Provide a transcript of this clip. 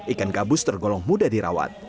ikan gabus tergolong mudah dirawat